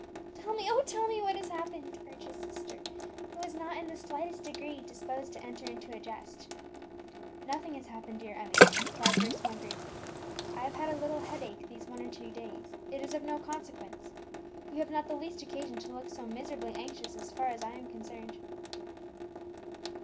"Tell me, oh, tell me what has happened," urged his sister, who was not in the slightest degree disposed to enter into a jest. "Nothing has happened, dear Emmie," replied Bruce more gravely. "I have had a little headache these one or two days; it is of no consequence. You have not the least occasion to look so miserably anxious as far as I am concerned."